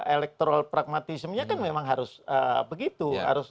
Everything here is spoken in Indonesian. elektoral pragmatismnya kan memang harus begitu